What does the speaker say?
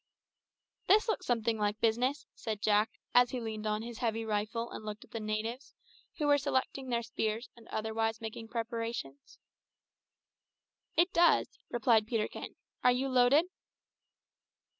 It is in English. "This looks something like business," said Jack, as he leaned on his heavy rifle and looked at the natives, who were selecting their spears and otherwise making preparations. "It does," replied Peterkin. "Are you loaded?"